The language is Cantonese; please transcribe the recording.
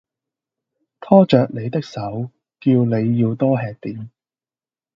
拖著你的手，叫你要多吃點